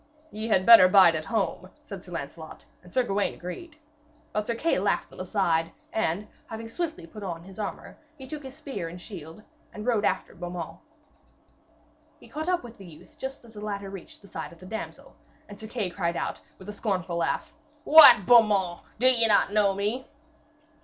'Ye had better bide at home,' said Sir Lancelot, and Sir Gawaine agreed. But Sir Kay laughed them aside, and having swiftly put on his armour, he took his spear and shield and rode after Beaumains. He caught up with the youth just as the latter reached the side of the damsel, and Sir Kay cried out, with a scornful laugh: 'What! Beaumains, do ye not know me?'